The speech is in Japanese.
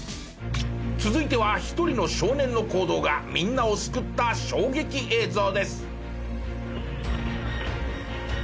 続いては一人の少年の行動がみんなを救った衝撃映像です。